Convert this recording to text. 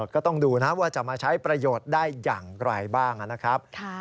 ก็ต้องดูนะว่าจะมาใช้ประโยชน์ได้อย่างไรบ้างนะครับ